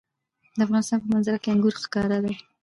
د افغانستان په منظره کې انګور ښکاره ده.